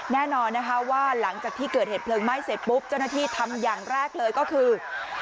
แน่นอนนะคะว่าหลังจากที่เกิดเหตุเพลิงไหม้เสร็จปุ๊บเจ้าหน้าที่ทำอย่างแรกเลยก็คือ